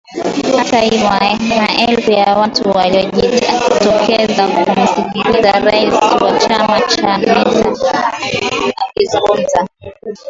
Hata hivyo, maelfu ya watu waliojitokeza kumsikiliza rais wa chama Chamisa akizungumza.